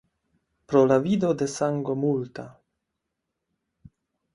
Pro la vido de sango multa.